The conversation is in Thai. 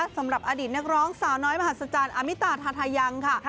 สำหรับอดีตนักร้องสาวน้อยมหัศจรรย์อามิตาทาทายังค่ะ